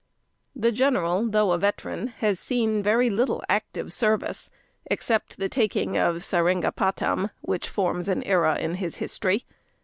The general, though a veteran, has seen very little active service, except the taking of Seringapatam, which forms an era in his history.